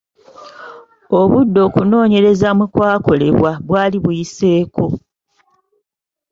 Obudde okunoonyereza mwe kwakolebwa bwali buyiseeko.